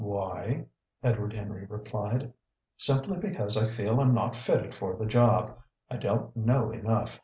"Why?" Edward Henry replied. "Simply because I feel I'm not fitted for the job. I don't know enough.